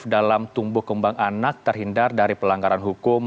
dalam tumbuh kembang anak terhindar dari pelanggaran hukum